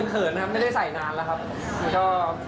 เขินนะครับไม่ได้ใส่นานแล้วครับ